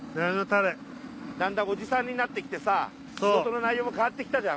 だんだんおじさんになってきてさあ事の内容も変わってきたじゃん